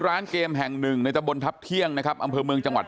ร้านเกมแห่งหนึ่งในตะบนทัพเที่ยงนะครับอำเภอเมืองจังหวัด